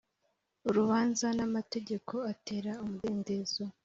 Urubanza n’amategeko atera umudendezo